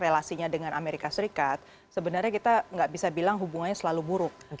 relasinya dengan amerika serikat sebenarnya kita nggak bisa bilang hubungannya selalu buruk